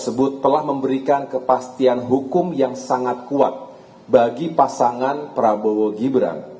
jokowi telah memberikan kepastian hukum yang sangat kuat bagi pasangan prabowo gibran